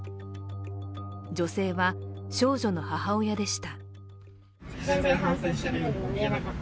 女性は、少女の母親でした。